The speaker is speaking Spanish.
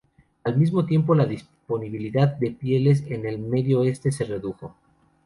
Al mismo tiempo, la disponibilidad de pieles en el Medio Oeste se redujo.